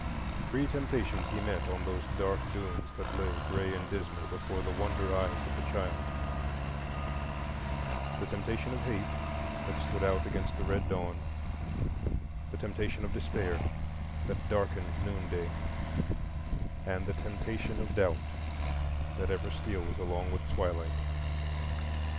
Three temptations he met on those dark dunes that lay gray and dismal before the wonder eyes of the child: the temptation of Hate, that stood out against the red dawn; the temptation of Despair, that darkened noonday; and the temptation of Doubt, that ever steals along with twilight.